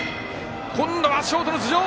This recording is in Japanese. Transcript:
今度はショートの頭上。